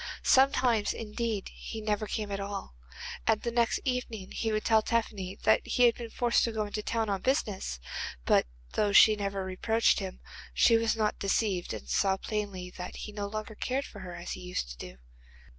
Sometimes, indeed, he never came at all, and the next evening he would tell Tephany that he had been forced to go into the town on business, but though she never reproached him she was not deceived and saw plainly that he no longer cared for her as he used to do.